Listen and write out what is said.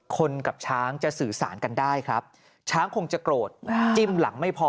กับช้างจะสื่อสารกันได้ครับช้างคงจะโกรธจิ้มหลังไม่พอ